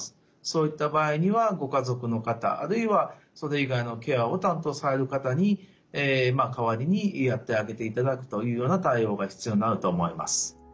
そういった場合にはご家族の方あるいはそれ以外のケアを担当される方に代わりにやってあげていただくというような対応が必要になると思います。